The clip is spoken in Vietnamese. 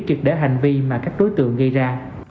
triệt để hành vi mà các đối tượng gây ra